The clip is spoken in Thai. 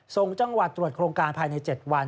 ส่งจังหวัดตรวจโครงการภายใน๗วัน